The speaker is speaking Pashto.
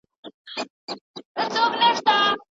د فساد کوونکو سره کلکه مبارزه وکړئ.